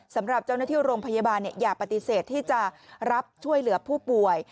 สำหรับเจ้าหน้าที่โรงพยาบาลอย่าปฏิเสธที่จะรับช่วยเหลือผู้ป่วย